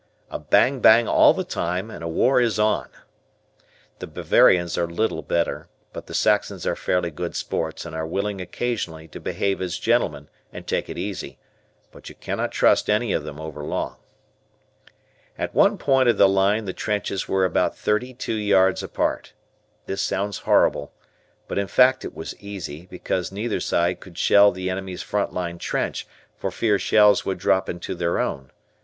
A bang bang all the time and a war is on. The Bavarians are little better, but the Saxons are fairly good sports and are willing occasionally to behave as gentlemen and take it easy, but you cannot trust any of them overlong. At one point of the line the trenches were about thirty two yards apart. This sounds horrible, but in fact it was easy, because neither side could shell the enemy's front line trench for fear shells would drop into their own.